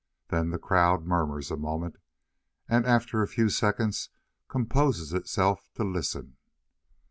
Then the crowd murmurs a moment, and after a few seconds composes itself to listen.